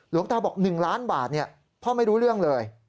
หลวงตาบอก๑ล้านบาทพ่อไม่รู้เรื่องเลย